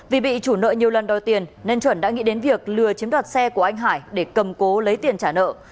vì bị chủ nợ nhiều lần đòi tiền nên chuẩn đã nghĩ đến việc lừa chiếm đoạt xe của anh hải để cầm cố lấy tiền trả nợ